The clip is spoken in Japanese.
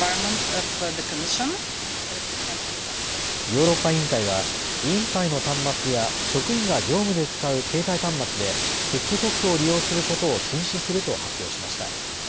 ヨーロッパ委員会は委員会の端末や職員が業務で使う携帯端末でＴｉｋＴｏｋを利用することを禁止すると発表しました。